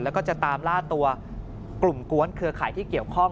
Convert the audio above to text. แล้วก็จะตามล่าตัวกลุ่มกวนเครือข่ายที่เกี่ยวข้อง